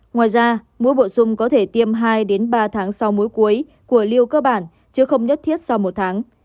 ngoài ra mỗi bổ sung có thể tiêm hai ba tháng sau mối cuối của liều cơ bản chứ không nhất thiết sau một tháng